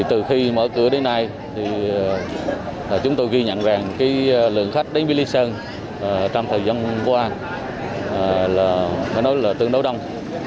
từ khi mở cửa đến nay chúng tôi ghi nhận rằng lượng khách đến với lý sơn trong thời gian qua là tương đối đông